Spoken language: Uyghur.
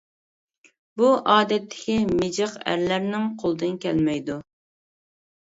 بۇ ئادەتتىكى مىجىق ئەرلەرنىڭ قولىدىن كەلمەيدۇ.